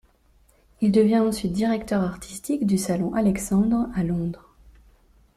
Il devient ensuite directeur artistique du salon Alexandre à Londres.